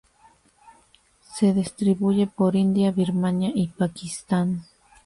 Se distribuye por India, Birmania y Pakistán.